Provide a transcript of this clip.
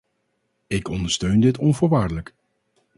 Ik ondersteun dit onvoorwaardelijk.